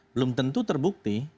belum tentu terbukti